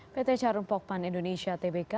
pt carumpok pan indonesia tbk